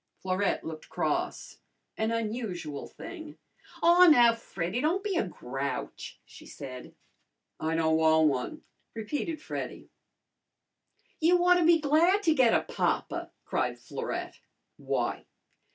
Florette looked cross an unusual thing. "Aw, now, Freddy, don't be a grouch," she said. "I don' wan' one," repeated Freddy. "You ought to be glad to get a papa!" cried Florette. "Why?"